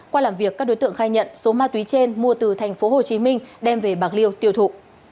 qua làm việc các đối tượng khai nhận số ma túy trên mua từ tp hcm đem về bạc liêu tiêu thụ